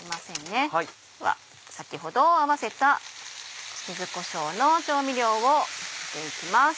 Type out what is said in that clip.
では先ほど合わせた柚子こしょうの調味料を入れて行きます。